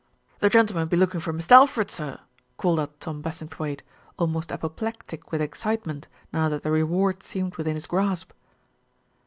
"The gentleman be lookin' for Mist' Alfred, sir," called out Tom Bassingthwaighte, almost apoplectic with excitement now that the reward seemed within his grasp.